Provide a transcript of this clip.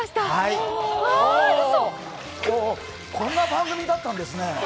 こんな番組だったんですね。